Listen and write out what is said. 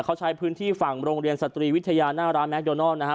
เขาใช้พื้นที่ฝั่งโรงเรียนสตรีวิทยาหน้าร้านแมคโดนอลนะครับ